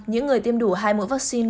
những người tiêm đủ hai mũi vaccine